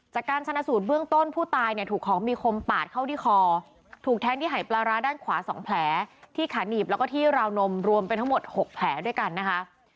จากการชนะสูตรเบื้องต้นผู้ตายเนี่ยถูกของมีคมปาดเข้าที่คอถูกแทงที่หายปลาร้าด้านขวา๒แผลที่ขาหนีบแล้วก็ที่ราวนมรวมเป็นทั้งหมด๖แผลด้วยกันนะคะ